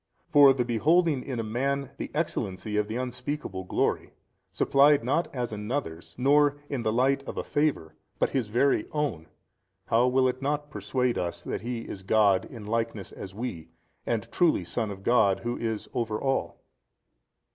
For the beholding in a man the excellency of the unspeakable glory, supplied not as Another's nor in the light of a favour, but His very own: how will it not persuade us that He was God in likeness as we and truly Son of God Who is over all?